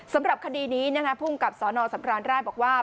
สำหรับคดีนี้ภูมิกับสนสำราญราชบอกว่า